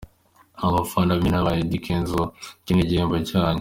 Abafana b’imena ba Eddy Kenzo , iki ni igihembo cyanyu…”.